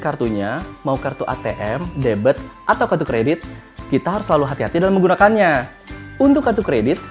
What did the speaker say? kartunya mau kartu atm debit atau kartu kredit kita harus selalu hati hati dalam menggunakannya untuk kartu kredit